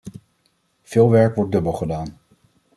Veel werk wordt dubbel gedaan.